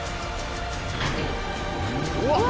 うわっ！